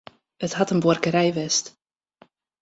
It hat in buorkerij west.